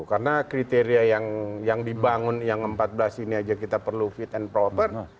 karena kriteria yang dibangun yang empat belas ini saja kita perlu fit and proper